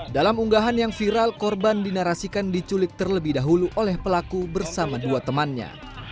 dalam unggahan yang viral korban dinarasikan diculik terlebih dahulu oleh pelaku bersama dua temannya